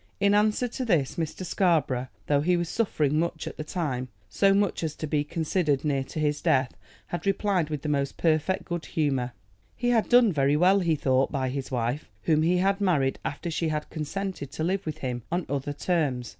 In answer to this Mr. Scarborough, though he was suffering much at the time, so much as to be considered near to his death, had replied with the most perfect good humor. He had done very well, he thought, by his wife, whom he had married after she had consented to live with him on other terms.